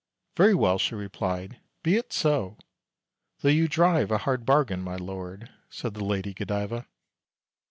"Very well!" she replied. "Be it so! Though you drive a Hard bargain, my lord," said the Lady Godiva.